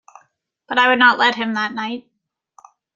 But I would not let him that night.